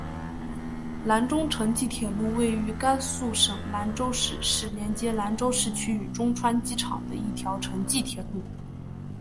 兰中城际铁路位于甘肃省兰州市是连接兰州市区与中川机场的一条城际铁路。